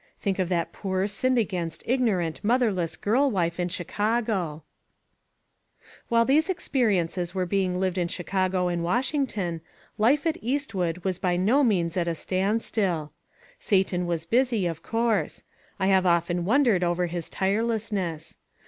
Think of that poor, sinned against, ignorant, motherless girl wife in Chicago I 4IO ONE COMMONPLACE DAY. While these experiences were being lived in Chicago and Washington, life at East wood was by no means at a stand still. Satan was busy, of course. I have often wondered over his tirelessness.